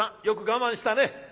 よく我慢したね。